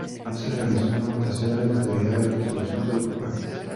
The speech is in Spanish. No se realizó una votación a la totalidad de la resolución, sólo por partes.